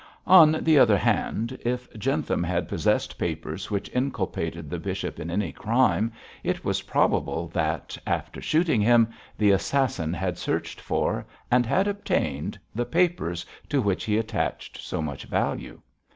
On the other hand, if Jentham had possessed papers which inculpated the bishop in any crime, it was probable that, after shooting him, the assassin had searched for, and had obtained, the papers to which he attached so much value.